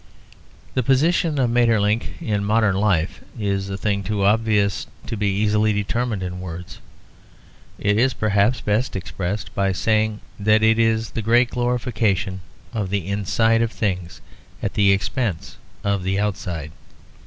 The position of Maeterlinck in modern life is a thing too obvious to be easily determined in words. It is, perhaps, best expressed by saying that it is the great glorification of the inside of things at the expense of the outside.